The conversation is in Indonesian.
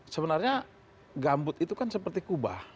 sebenarnya gambut itu kan seperti kubah